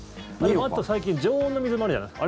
あと、最近常温の水もあるじゃないですか。